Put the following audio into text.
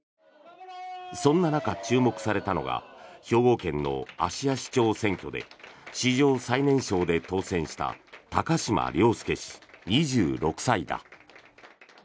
そんな中、注目されたのが兵庫県の芦屋市長選挙で史上最年少で当選した高島崚輔氏、２６歳だ。